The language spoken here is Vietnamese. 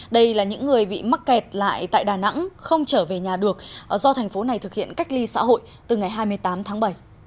đây là những người bị mắc kẹt lại tại đà nẵng không trở về nhà được do thành phố này thực hiện cách ly xã hội từ ngày hai mươi tám tháng bảy